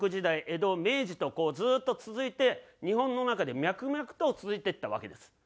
江戸明治とこうずーっと続いて日本の中で脈々と続いていったわけです。